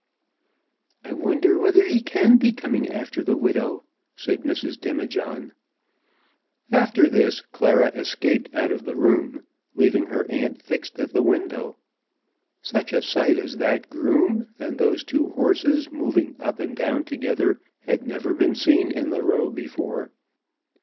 "I wonder whether he can be coming after the widow," said Mrs. Demijohn. After this Clara escaped out of the room, leaving her aunt fixed at the window. Such a sight as that groom and those two horses moving up and down together had never been seen in the Row before.